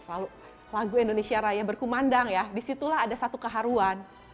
lalu lagu indonesia raya berkumandang ya disitulah ada satu keharuan